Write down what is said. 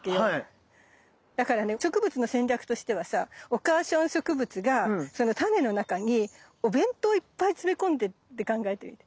だからね植物の戦略としてはさお母さん植物がそのタネの中にお弁当いっぱい詰め込んでって考えてみて。